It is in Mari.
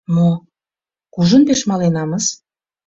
«Мо, кужун пеш маленамыс!»